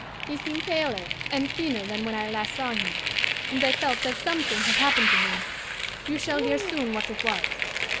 He seemed paler and thinner than when I last saw him, and I felt that something had happened to him. You shall hear soon what it was.